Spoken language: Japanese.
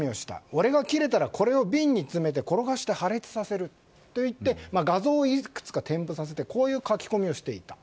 俺がキレたら、これを瓶に詰めて転がして破裂させるといって画像をいくつか添付させてこういう書き込みをしていた。